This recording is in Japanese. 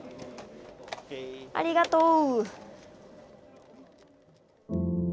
ありがとう。